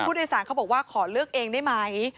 ผู้โดยสารเขาบอกว่าขอเลือกเองได้ไหม